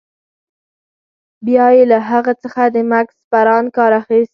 بیا يې له هغه څخه د مګس پران کار اخیست.